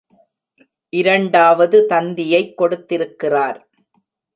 இரண்டாவது தந்தியைக் கொடுத்திருக்கிறார்.